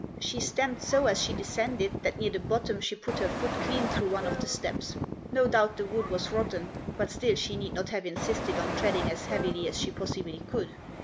She stamped so as she descended that near the bottom she put her foot clean through one of the steps. No doubt the wood was rotten, but still she need not have insisted on treading as heavily as she possibly could.